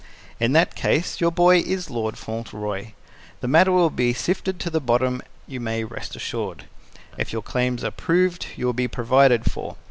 In that case, your boy is Lord Fauntleroy. The matter will be sifted to the bottom, you may rest assured. If your claims are proved, you will be provided for.